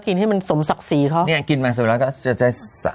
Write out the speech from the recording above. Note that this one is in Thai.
ก็ง่ายสุดกินบังสวิรัติสิคะ